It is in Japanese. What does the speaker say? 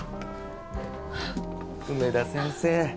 梅田先生